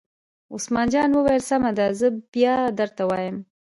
عثمان جان وویل: سمه ده زه بیا درته وایم.